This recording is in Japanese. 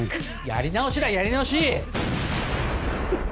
やり直しだやり直し！